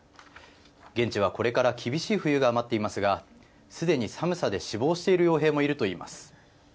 現地は、これから厳しい冬が待っていますがすでに寒さで死亡しているよう兵もいるといいます。